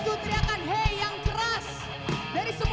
jakarta international stadium